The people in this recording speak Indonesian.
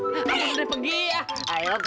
kau mau ini tau kau tau